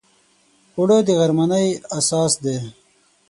اوړه د غرمنۍ اساس دی